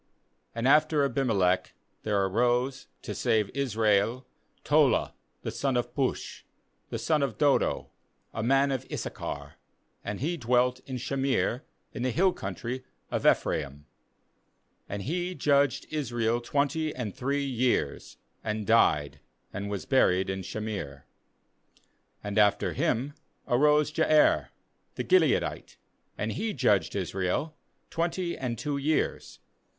And after Abimelech there arose to save Israel Tola the son of Puah, the son of Dodo, a man of 10 JL HCU.I..I.J LUJX/ a\JU. V/J. J^f\J\A.\Jj C4I JULtd/J L V L Issachar; and he dwelt in Shamir in the hill country of Ephraim. 2And he judged Israel twenty and three years, and died, and was buried in Shamir. 3And after him arose Jair* the Gil eadite; and he judged Israel twenty and two years.